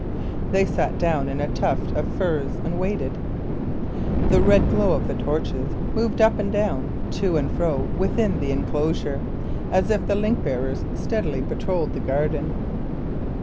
They sat down in a tuft of furze and waited. The red glow of the torches moved up and down and to and fro within the enclosure, as if the link bearers steadily patrolled the garden.